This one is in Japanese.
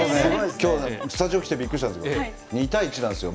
今日、スタジオに来てびっくりしたんですけど２対１なんですよ。